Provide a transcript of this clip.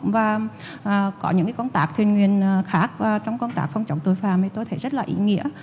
và có những công tác thuyền nguyên khác trong công tác phòng chống tội phạm thì tôi thấy rất là ý nghĩa